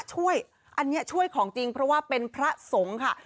ช่วยอันนี้ช่วยของจริงเพราะว่าเป็นพระสงฆ์ค่ะ